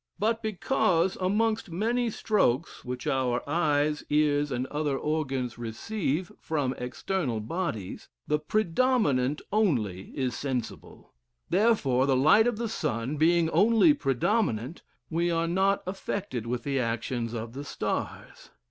But because amongst many strokes which our eyes, ears and other organs receive from external bodies, the predominant only is sensible; therefore the light of the sun being only predominant, we are not affected with the actions of the stars....